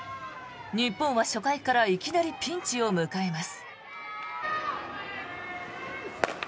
日本は初回からいきなりピンチを迎えます。